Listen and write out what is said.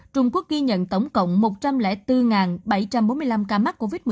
trung quốc ghi nhận tổng cộng một trăm linh bốn bảy trăm bốn mươi năm ca mắc covid một mươi chín